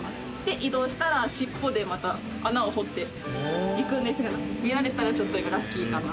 移動したら尻尾でまた穴を掘っていくんですが見られたらちょっと今ラッキーかなって感じです。